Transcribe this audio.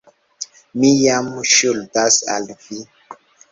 Mi jam ŝuldas al vi.